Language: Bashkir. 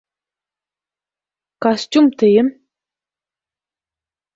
Костюм, тием!